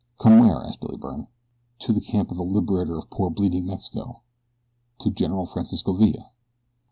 "Come where?" asked Billy Byrne. "To the camp of the liberator of poor, bleeding Mexico to General Francisco Villa."